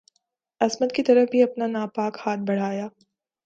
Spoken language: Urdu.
عصمت کی طرف بھی اپنا ناپاک ہاتھ بڑھایا